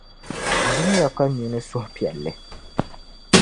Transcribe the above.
Dim ya ka nyu ni suhupiɛlli.